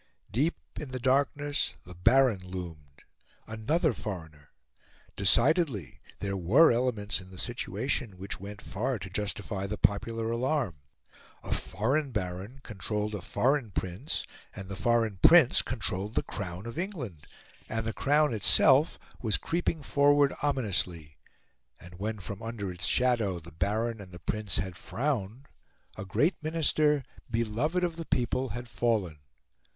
Deep in the darkness the Baron loomed. Another foreigner! Decidedly, there were elements in the situation which went far to justify the popular alarm. A foreign Baron controlled a foreign Prince, and the foreign Prince controlled the Crown of England. And the Crown itself was creeping forward ominously; and when, from under its shadow, the Baron and the Prince had frowned, a great Minister, beloved of the people, had fallen.